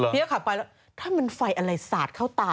นี่ก็ขับไปแล้วถ้ามันไฟอะไรสาดเข้าตา